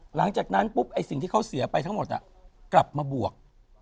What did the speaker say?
หลังจากนั้นปุ๊บไอ้สิ่งที่เขาเสียไปทั้งหมดกลับมาบวก